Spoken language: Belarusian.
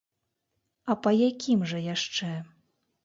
А па якім жа яшчэ?